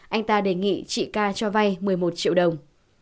anh ta đề nghị chị ca cho vay một mươi một triệu đồng